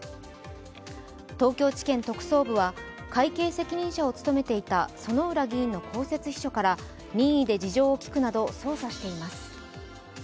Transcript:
東京地検特捜部は会計責任者を務めていた薗浦議員の公設秘書から任意で事情を聴くなど捜査しています。